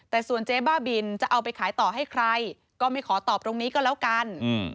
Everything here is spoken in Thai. แต่ส่วนเจ๊บ้าบินจะเอาไปขายต่อให้ใครก็ไม่ขอตอบตรงนี้ก็แล้วกัน